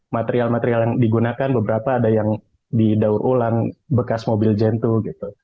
material material yang digunakan beberapa ada yang didaur ulang bekas mobil gentu gitu